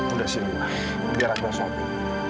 udah sih mila biar aku yang sopi